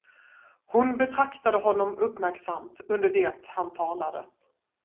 Hon betraktade honom uppmärksamt, under det han talade.